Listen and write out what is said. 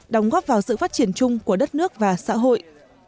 đóng góp vào sự phát triển chung của đất nước và xã hội